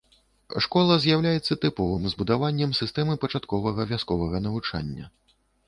Школа з'яўляецца тыповым збудаваннем сістэмы пачатковага вясковага навучання.